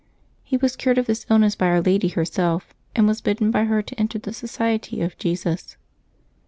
He was cured of this illness by Our Lady herself, and was bidden by her to enter the Society of Jesus.